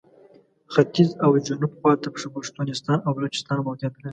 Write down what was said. ختیځ او جنوب خواته پښتونستان او بلوچستان موقعیت لري.